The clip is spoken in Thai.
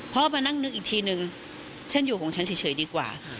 พ่อมานั่งนึกอีกทีนึงฉันอยู่ของฉันเฉยดีกว่า